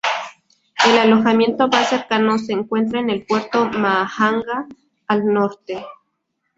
El alojamiento más cercano se encuentra en el puerto de Mahajanga, al norte.